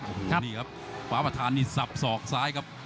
โอ้โหเนี่ยครับฟ้าพาถานิซับสอกซ้ายครับ